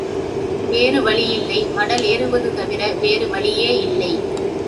வேறு வழியில்லை மடலேறுவது தவிர வேறு வழியே இல்லை.